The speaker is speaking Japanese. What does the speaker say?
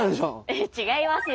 え違いますよ。